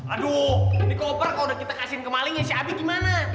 aduh ini keoper kalau udah kita kasihin kemalingnya si abi gimana